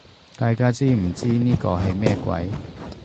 大家知唔知呢個係乜鬼